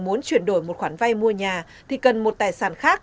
muốn chuyển đổi một khoản vay mua nhà thì cần một tài sản khác